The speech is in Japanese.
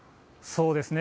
そうですね。